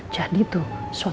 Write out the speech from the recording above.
jadi tuh suatu hari